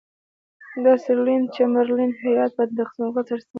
د سر لیوین چمبرلین هیات به د تقسیم اوقات سره سم.